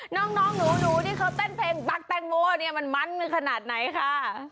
น้องหนูที่เขาเต้นเพลงบั๊กแตงโมเนี่ยมันขนาดไหนค่ะ